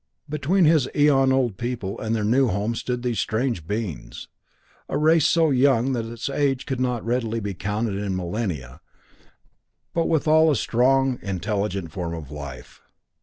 Between his eon old people and their new home stood these strange beings, a race so young that its age could readily be counted in millennia, but withal a strong, intelligent form of life.